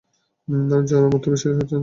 জন, আমার তো বিশ্বাসই হচ্ছে না।